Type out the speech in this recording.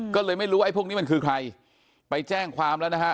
ก็เลยไม่รู้ว่าไอ้พวกนี้มันคือใครไปแจ้งความแล้วนะฮะ